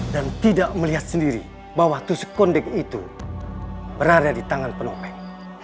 dan tidak melihat sendiri bahwa tusuk kondek itu berada di tangan penopeng